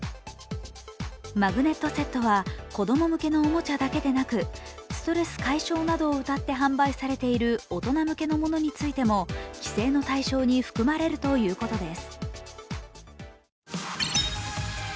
マグネットセットは子供向けのおもちゃだけでなくストレス解消などをうたって販売されている大人向けのものについても規制の対象に含まれるということです。